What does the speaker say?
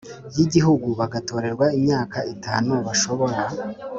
y Igihugu bagatorerwa imyaka itanu Bashobora